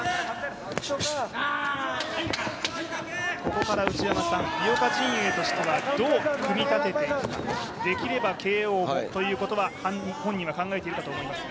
ここから井岡陣営はどう組み立てていくかできればＫＯということは本人は考えているかと思います。